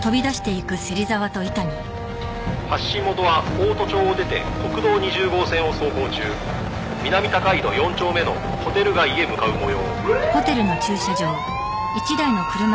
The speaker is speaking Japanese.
「発信元は大戸町を出て国道２０号線を走行中」「南高井戸４丁目のホテル街へ向かう模様」